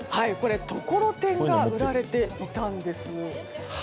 ところてんが売られていたんです。